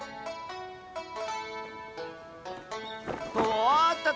おっとっ